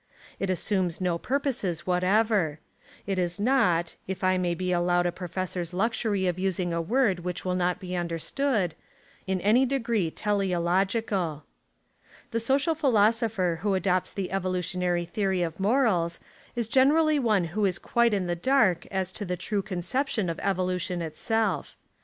It assumes no purposes whatever. It is not — if I may be al lowed a professor's luxury of using a word which will not be understood — in any degree teleological. The social philosopher who adopts the evo lutionary theory of morals is generally one who is quite in the dark as to the true concep tion of evolution itself.